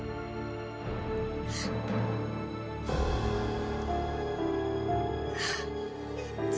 kamu sudah berubah